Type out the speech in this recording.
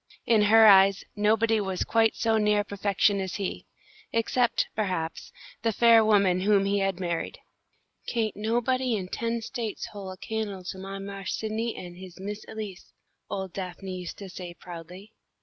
In her eyes, nobody was quite so near perfection as he, except, perhaps, the fair woman whom he had married. "Kain't nobody in ten States hole a can'le to my Marse Sidney an' his Miss Elise," old Daphne used to say, proudly.